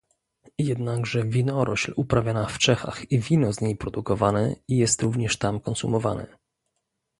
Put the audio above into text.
Jednakże winorośl uprawiana w Czechach i wino z niej produkowane jest również tam konsumowane